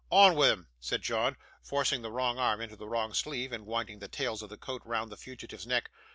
'On wi' 'em,' said John, forcing the wrong arm into the wrong sleeve, and winding the tails of the coat round the fugitive's neck.